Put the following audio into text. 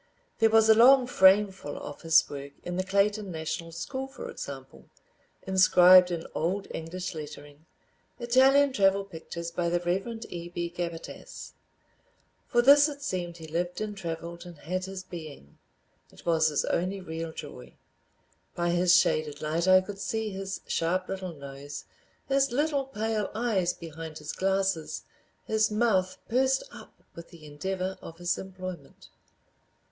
There was a long frameful of his work in the Clayton National School, for example, inscribed in old English lettering, "Italian Travel Pictures, by the Rev. E. B. Gabbitas." For this it seemed he lived and traveled and had his being. It was his only real joy. By his shaded light I could see his sharp little nose, his little pale eyes behind his glasses, his mouth pursed up with the endeavor of his employment.